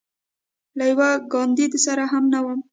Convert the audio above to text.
له یوه کاندید سره هم نه وم.